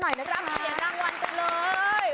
รับเกลียดนางวันกันเลย